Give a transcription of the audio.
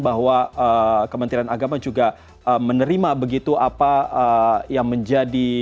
bahwa kementerian agama juga menerima begitu apa yang menjadi